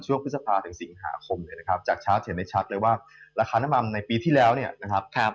พฤษภาถึงสิงหาคมเนี่ยนะครับจากชาร์จจะเห็นได้ชัดเลยว่าราคาน้ำมันในปีที่แล้วเนี่ยนะครับ